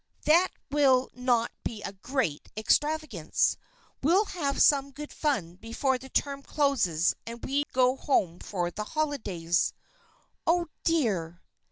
That will not be a great extravagance. We'll have some good fun before the term closes and we go home for the holidays. Oh, dear!"